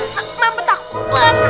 main petak kumpet